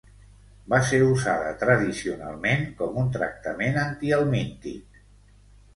Va ser usada tradicionalment com un tractament antihelmíntic.